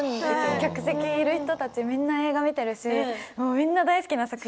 客席にいる人たちみんな映画見てるしみんな大好きな作品だし。